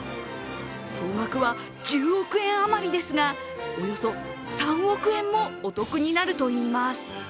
総額は１０億円余りですが、およそ３億円もお得になるといいます。